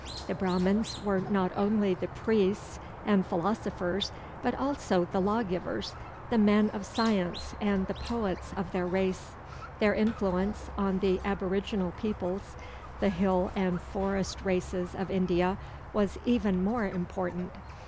The Brahmans were not only the priests and philosophers, but also the lawgivers, the men of science and the poets of their race. Their influence on the aboriginal peoples, the hill and forest races of India, was even more important.